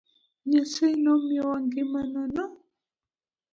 Nyasaye ne omiyowa ngima nono